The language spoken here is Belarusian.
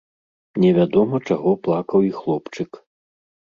Невядома, чаго плакаў і хлопчык.